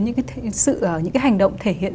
những cái hành động thể hiện